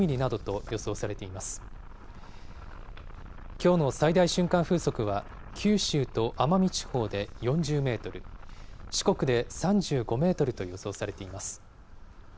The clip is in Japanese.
きょうの最大瞬間風速は、九州と奄美地方で４０メートル、四国で３５メートルと予想されています。